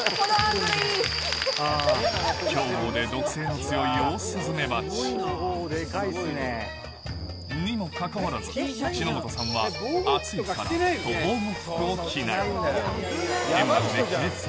凶暴で毒性の強いオオスズメバチ。にもかかわらず、篠本さんは暑いからと防護服を着ない。